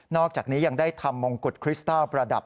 อกจากนี้ยังได้ทำมงกุฎคริสต้าประดับ